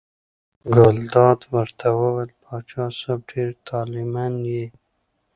ګلداد ورته وویل: پاچا صاحب ډېر طالع من یې.